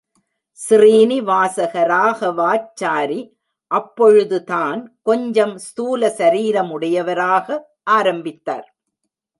ஸ்ரீனிவாசகராகவாச்சாரி அப்பொழுதுதான் கொஞ்சம் ஸ்தூல சரீரமுடையவராக ஆரம்பித்தார்.